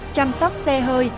chăm sóc xe hơi